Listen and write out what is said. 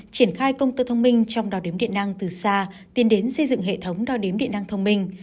triển khai công tơ thông minh trong đo đếm điện năng từ xa tiến đến xây dựng hệ thống đo đếm điện năng thông minh